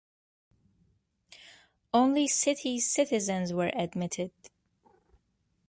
Only city citizens were admitted.